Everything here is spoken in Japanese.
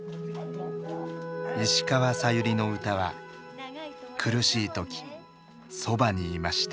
石川さゆりの歌は苦しい時そばにいました。